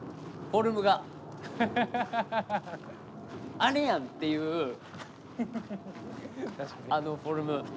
あれやんっていうあのフォルム。